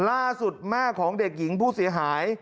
ล่าสุดแม่ของเด็กหญิงผู้เสียหาย